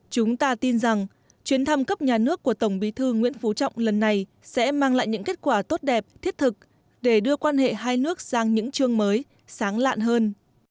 chúng ta tin rằng chuyến thăm cấp nhà nước của tổng bí thư nguyễn phú trọng lần này sẽ mang lại những kết quả tốt đẹp thiết thực để đưa quan hệ hai nước sang những chương mới sáng lạn hơn